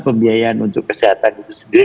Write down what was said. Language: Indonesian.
pembiayaan untuk kesehatan itu sendiri